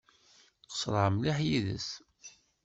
Qeṣṣreɣ mliḥ yid-s.